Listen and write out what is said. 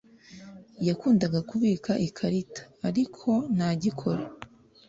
Yakundaga kubika ikarita, ariko ntagikora.